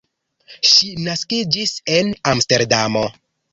Ŝi naskiĝis en Amsterdamo.